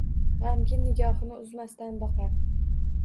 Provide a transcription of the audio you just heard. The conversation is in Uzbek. G‘amgin nigohini uzmasdan boqar